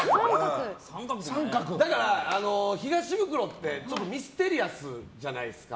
東ブクロってちょっとミステリアスじゃないですか。